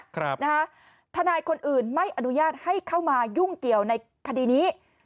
ทนายคนอื่นไม่อนุญาตให้เข้ามายุ่งเกี่ยวในคดีนี้